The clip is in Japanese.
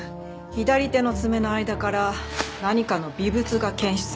左手の爪の間から何かの微物が検出されました。